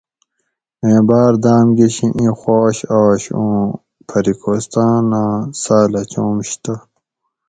میں باۤر داۤم گۤشی اِیں خواش آش اُوں پھری کوستاۤن آۤں ساۤلہ چومش تہ